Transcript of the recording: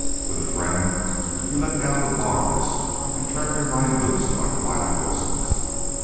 With a friend you let down the bars and turn your mind loose like wild hosses.